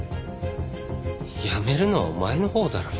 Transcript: やめるのはお前のほうだろ。